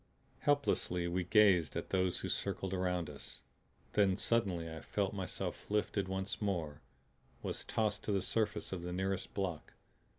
Helplessly we gazed at those who circled around us. Then suddenly I felt myself lifted once more, was tossed to the surface of the nearest block.